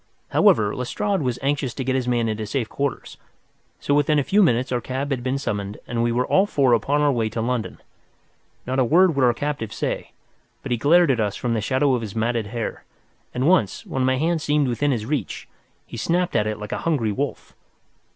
However, Lestrade was anxious to get his man into safe quarters, so within a few minutes our cab had been summoned and we were all four upon our way to London. Not a word would our captive say, but he glared at us from the shadow of his matted hair, and once, when my hand seemed within his reach, he snapped at it like a hungry wolf.